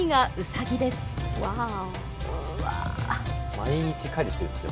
毎日狩りしてるんですね。